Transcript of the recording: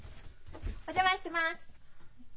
お邪魔してます。